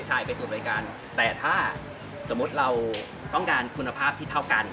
ไปสู่บริการแต่ถ้าสมมุติเราต้องการคุณภาพที่เท่ากัน